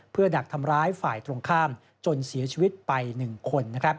เพื่อดักทำร้ายฝ่ายตรงข้ามจนเสียชีวิตไป๑คน